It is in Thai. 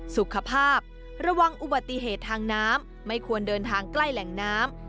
สุขภาพระวังอุบัติเหตุทางน้ำไม่ควรเดินทางใกล้แหล่งน้ำ